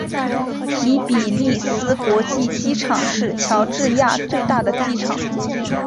提比利斯国际机场是乔治亚最大的机场。